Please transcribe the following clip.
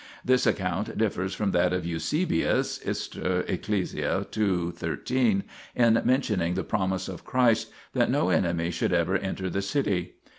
This account differs from that of Eusebius (Hist. Eccl. ii. 13), in mentioning the promise of Christ that no enemy should ever enter the city.